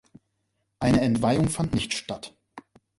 Eine Entweihung fand nicht statt.